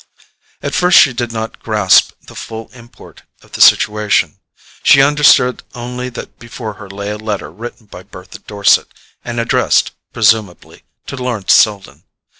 At first she did not grasp the full import of the situation. She understood only that before her lay a letter written by Bertha Dorset, and addressed, presumably, to Lawrence Selden.